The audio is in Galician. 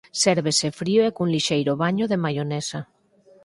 Sérvese frío e cun lixeiro baño de maionesa.